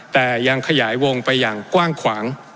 แต่ยังขยายวงไปอย่างกว้างขวาง